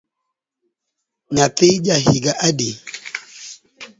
Nyathi ja higa adi?